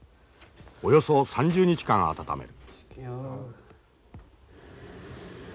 およそ３０日間温める。